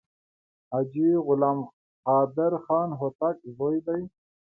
حاجي غلام قادر خان هوتک زوی دی.